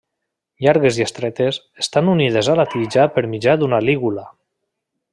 Llargues i estretes, estan unides a la tija per mitjà d'una lígula.